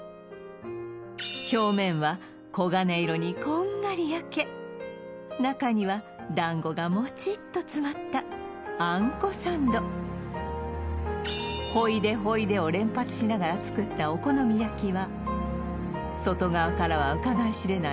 表面は黄金色にこんがり焼け中には団子がもちっと詰まったあんこサンド「ほいでほいで」を連発しながら作ったお好み焼きは外側からはうかがい知れない